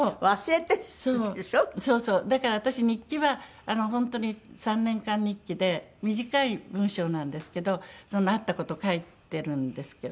だから私日記は本当に３年間日記で短い文章なんですけどあった事書いてるんですけど。